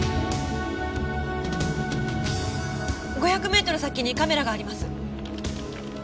５００メートル先にカメラがあります。